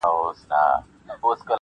پسرلیه نن دي رنګ د خزان راوی,